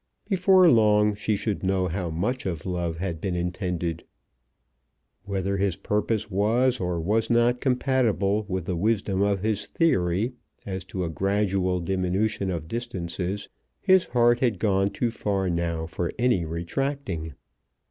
Before long she should know how much of love had been intended! Whether his purpose was or was not compatible with the wisdom of his theory as to a gradual diminution of distances, his heart had gone too far now for any retracting.